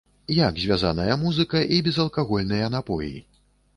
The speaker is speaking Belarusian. Як звязаная музыка і безалкагольныя напоі?